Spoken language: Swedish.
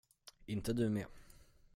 Inte du med.